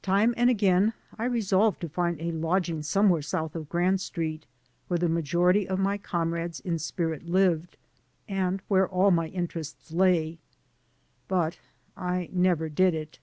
Time and again I resolved to find a lodging somewhere south of Grand Street, where the majority of my comrades in spirit Kved and where all my interests lay. But I never did it.